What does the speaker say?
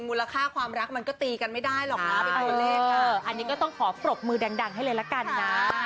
มูลค่าความรักก็ตีกันไม่ได้หรอกค่ะอันนี้ก็ต้องขอปรบมือดังให้เลยละกันนะ